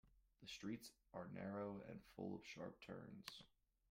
The streets are narrow and full of sharp turns.